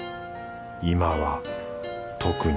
今は特に